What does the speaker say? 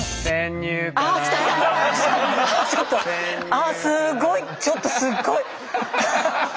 ああすごいちょっとすっごい。